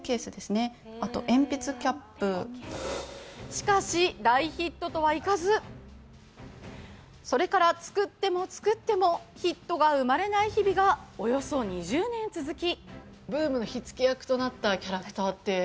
しかし、大ヒットとはいかずそれから作っても作ってもヒットが生まれない日々がおよそ２０年続き